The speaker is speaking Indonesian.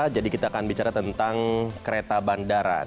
jadi kita akan bicara tentang kereta bandara